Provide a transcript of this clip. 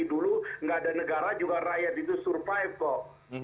dulu nggak ada negara juga rakyat itu survive kok